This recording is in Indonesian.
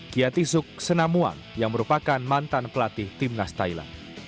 kiatisuk senamuang yang merupakan mantan pelatih timnas thailand